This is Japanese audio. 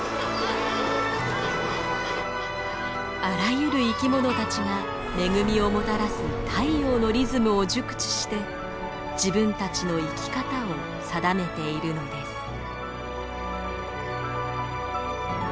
あらゆる生き物たちが恵みをもたらす太陽のリズムを熟知して自分たちの生き方を定めているのです。